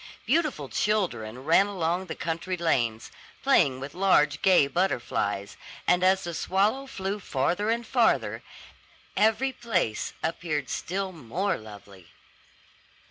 Beautiful children ran along the country lanes, playing with large gay butterflies; and as the swallow flew farther and farther, every place appeared still more lovely.